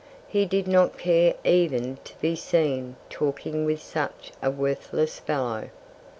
He did not care even to be seen talking with such a worthless fellow.